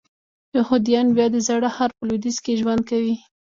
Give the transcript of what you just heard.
یهودیان بیا د زاړه ښار په لویدیځ کې ژوند کوي.